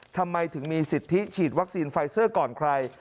ทำไมถึงมีสิทธิฉีดวัคซีนไฟเซอร์ก่อนใคร